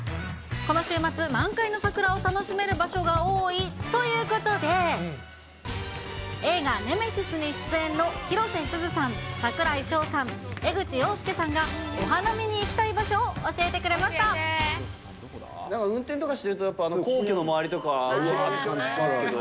この週末、満開の桜を楽しめる場所が多いということで、映画ネメシスに出演の広瀬すずさん、櫻井翔さん、江口洋介さんが、お花見に行きたい場所を教えてくなんか運転とかしてると、やっぱ皇居の周りとかは、うわーって感じしますけど。